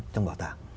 trong bảo tàng